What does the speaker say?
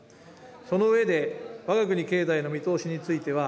その上でわが国経済の見通しについては、